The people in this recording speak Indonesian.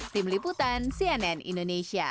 tim liputan cnn indonesia